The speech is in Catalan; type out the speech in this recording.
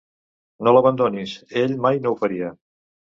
No l'abandonis. Ell mai no ho faria.